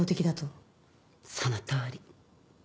そのとおり。